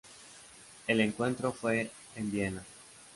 El encuentro fue en Viena.